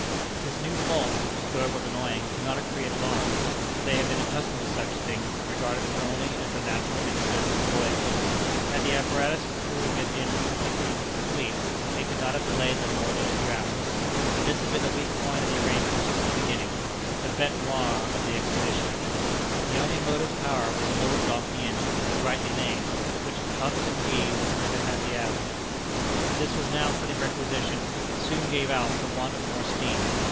This new fault, though it was annoying, did not create alarm, for they had been accustomed to such things, and regarded them only as the natural incidents of the voyage. Had the apparatus for pulling in been complete, it could not have delayed them more than a few hours. But this had been the weak point of the arrangements from the beginning the bête noire of the expedition. The only motive power was a little donkey engine, (rightly named,) which puffed and wheezed as if it had the asthma. This was now put in requisition, but soon gave out for want of more steam.